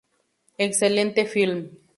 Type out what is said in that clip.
Excelente film.